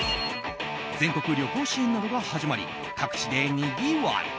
全国旅行支援などが始まり各地でにぎわい。